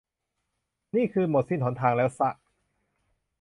นี่คือหมดสิ้นหนทางแล้วช่ะ